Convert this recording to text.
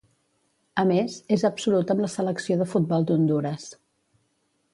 A més, és absolut amb la Selecció de futbol d'Hondures.